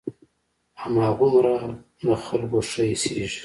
هماغومره د خلقو ښه اېسېږي.